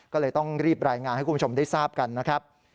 ก็เลยต้องรีบรายงานให้คุณผู้ชมได้ทราบกันนะครับ